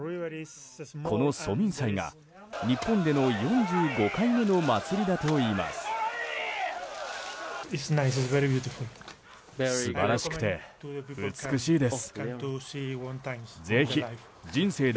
この蘇民祭が日本での４５回目の祭りだといいます。